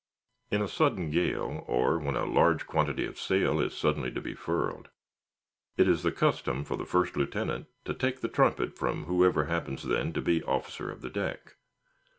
In a sudden gale, or when a large quantity of sail is suddenly to be furled, it is the custom for the first lieutenant to take the trumpet from whoever happens then to be officer of the deck.